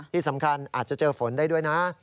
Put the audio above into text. ที่สำคัญอาจจะเจอฝนได้ด้วยนะ